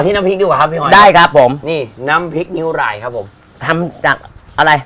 เดี๋ยวมันต่อดีกว่าครับพี่ห่อนได้ครับผมนี่น้ำพริกนิ้วไร